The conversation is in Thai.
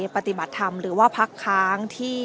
ปฏิบัติธรรมหรือว่าพักค้างที่